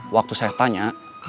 waktu saya tanya